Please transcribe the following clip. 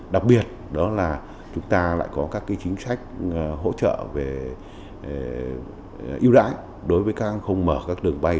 đặc biệt đó là chúng ta lại có các chính sách hỗ trợ về ưu đãi đối với các anh không mở các đường bay